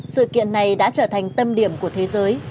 sự kiện này đã trở thành tâm điểm của thế giới